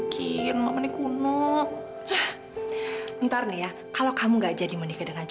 calon istri aku yang cantik banget